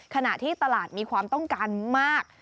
ขณะที่ตลาดมีความต้องการมาก